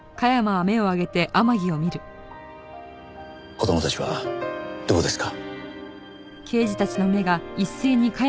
子供たちはどこですか？